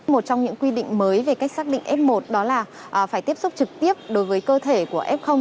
một trong những quy định mới về cách xác định f một đó là phải tiếp xúc trực tiếp đối với cơ thể của f